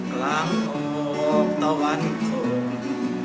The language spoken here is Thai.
กลางออกตะวันคง